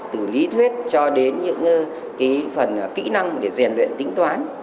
từ lý thuyết cho đến những cái phần kỹ năng để diện luyện tính toán